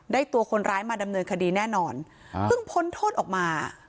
ตัวคนร้ายมาดำเนินคดีแน่นอนอ่าเพิ่งพ้นโทษออกมา